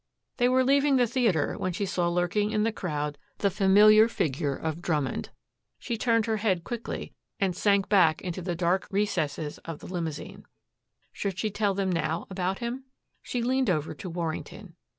They were leaving the theater when she saw lurking in the crowd the familiar figure of Drummond. She turned her head quickly and sank back into the dark recesses of the limousine. Should she tell them now about him? She leaned over to Warrington.